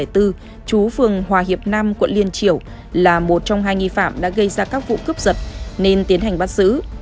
trú phường hòa hiệp nam quận liên triểu là một trong hai nghi phạm đã gây ra các vụ cướp giật nên tiến hành bắt giữ